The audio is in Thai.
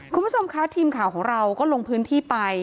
คุณผู้ชมคะทีมข่าวของเราก็ลงพื้นที่ไป